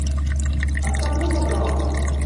الصَّبْرُ صَبْرَانِ